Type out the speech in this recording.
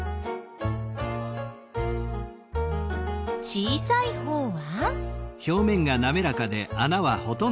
小さいほうは？